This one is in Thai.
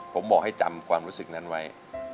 ผมบอกให้จำความรู้สึกนั้นไว้